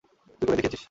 তুই করে দেখিয়েছিস।